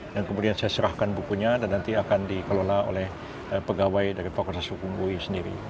dan kemudian saya serahkan bukunya dan nanti akan dikelola oleh pegawai dari fokus fokus hukum ui sendiri